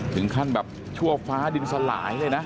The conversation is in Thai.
ถึงขั้นแบบชั่วฟ้าดินสลายเลยนะ